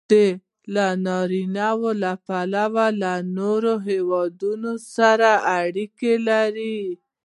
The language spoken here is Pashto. افغانستان د انار له پلوه له نورو هېوادونو سره اړیکې لري.